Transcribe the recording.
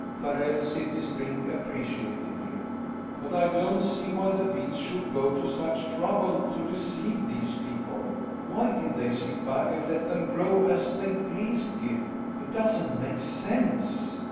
Farrell sipped his drink appreciatively. "But I don't see why the Bees should go to such trouble to deceive these people. Why did they sit back and let them grow as they pleased, Gib? It doesn't make sense!"